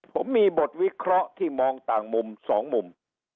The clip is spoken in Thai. ผมมีบทวิเคราะห์ที่มองต่างมุมสองมุม